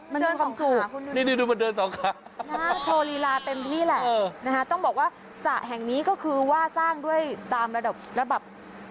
มันทรงสุขนี่ดูเมื่อเดินสองขาต้องบอกว่าจำแห่งนี้ก็คือว่าสร้างด้วยตามระดับระบบ